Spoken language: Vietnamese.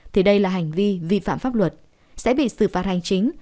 thì đây là hành vi vi phạm pháp luật sẽ bị xử phạt hành chính